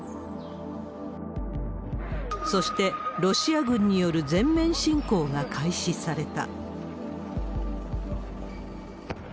そして、ロシア軍による全面侵攻が開始された。